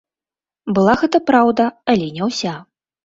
Была гэта праўда, але не ўся.